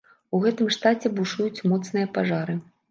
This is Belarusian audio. У гэтым штаце бушуюць моцныя пажары.